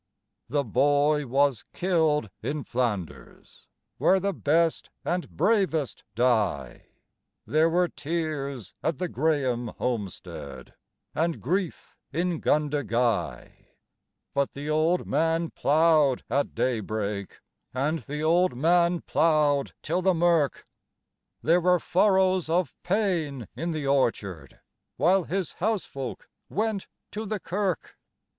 The boy was killed in Flanders, where the best and bravest die. There were tears at the Grahame homestead and grief in Gundagai; But the old man ploughed at daybreak and the old man ploughed till the mirk There were furrows of pain in the orchard while his housefolk went to the kirk.